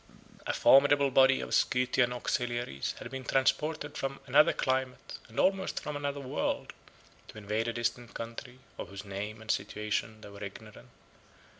A formidable body of Scythian auxiliaries had been transported from another climate, and almost from another world, to invade a distant country, of whose name and situation they were ignorant.